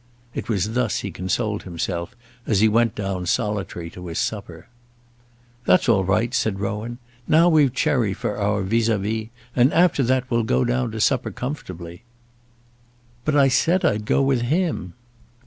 It was thus he consoled himself as he went down solitary to his supper. "That's all right," said Rowan; "now we've Cherry for our vis à vis, and after that we'll go down to supper comfortably." "But I said I'd go with him."